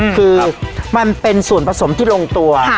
คือมันเป็นส่วนผสมที่ลงตัว